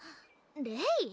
レイ？